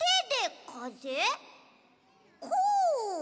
こう？